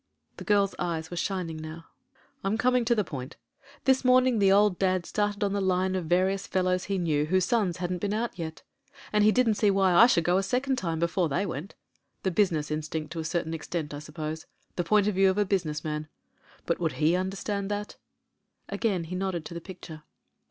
The girl's eyes were shining now. 2^2 MEN, WOMEN AND GUNS t *Tm coming to the point This morning the old dad started on the line of various fellows he knew whose sons hadn't been out yet; and he didn't see why I should go a second time — ^before they went The business instinct to a certain extent, I suppose — the point of view of a business man. But would he understand that ?" Again he nodded to the picture.